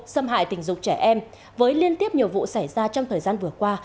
xâm hại tình dục trẻ em với liên tiếp nhiều vụ xảy ra trong thời gian vừa qua